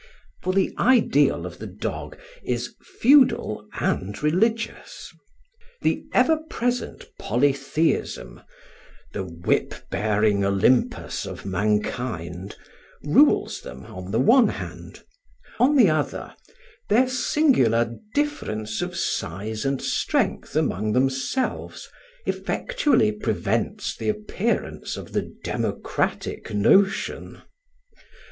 For the ideal of the dog is feudal and religious; the ever present polytheism, the whip bearing Olympus of mankind, rules them on the one hand; on the other, their singular difference of size and strength among themselves effectually prevents the appearance of the democratic notion.